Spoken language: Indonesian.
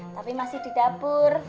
tapi masih di dapur